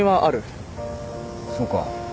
そうか。